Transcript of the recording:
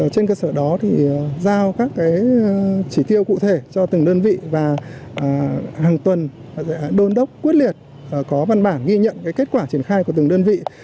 trên cơ sở đó giao các chỉ tiêu cụ thể cho từng đơn vị và hàng tuần đôn đốc quyết liệt có văn bản ghi nhận kết quả triển khai của từng đơn vị